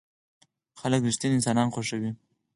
خلک رښتيني انسانان خوښوي.